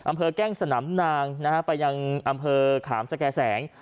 อัมเภอนานต์แกล้งสนามนางนะครับไปยังอัมเภอขามสะแก่แสง